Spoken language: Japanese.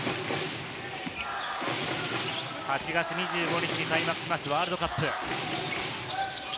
８月２５日に開幕しますワールドカップ。